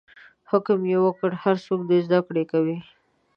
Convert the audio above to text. حکم یې وکړ هر څوک دې زده کړه کوي.